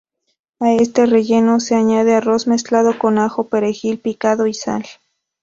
A este relleno se añade arroz mezclado con ajo, perejil picado y sal.